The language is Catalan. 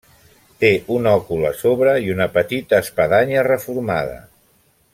Té un òcul a sobre i una petita espadanya reformada.